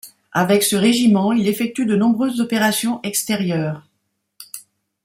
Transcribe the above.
Avec ce régiment, il effectue de nombreuses opérations extérieures.